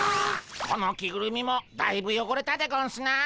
この着ぐるみもだいぶよごれたでゴンスな。